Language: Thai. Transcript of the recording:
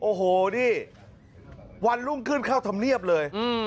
โอโหดิวันลุ่นขึ้นเข้าธมนียบเลยอืม